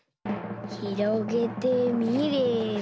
ひろげてみれば。